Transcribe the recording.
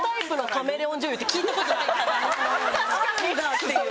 っていう。